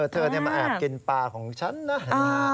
เธอมาแอบกินปลาของฉันนะฮะ